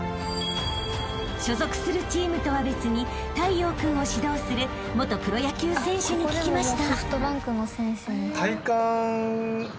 ［所属するチームとは別に太陽君を指導する元プロ野球選手に聞きました］